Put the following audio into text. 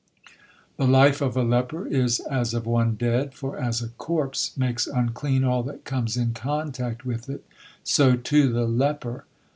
The life of a leper is as of one dead, for as a corpse makes unclean all that comes in contact with it, so too the leper.